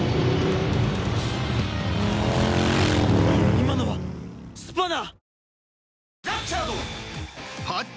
今のはスパナ！